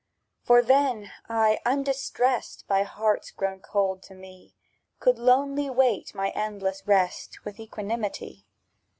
For then, I, undistrest By hearts grown cold to me, Could lonely wait my endless rest With equanimity.